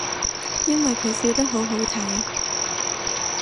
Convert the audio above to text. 因為佢笑得好好睇